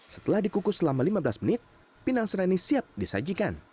setelah dikukus selama lima belas menit pinang serani siap disajikan